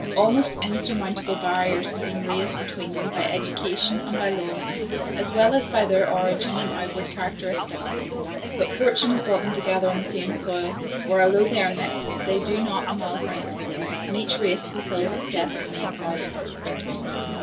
Almost insurmountable barriers had been raised between them by education and by law, as well as by their origin and outward characteristics; but fortune has brought them together on the same soil, where, although they are mixed, they do not amalgamate, and each race fulfils its destiny apart.